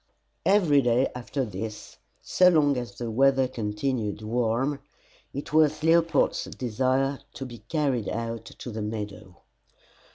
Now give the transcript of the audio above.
Every day after this, so long as the weather continued warm, it was Leopold's desire to be carried out to the meadow.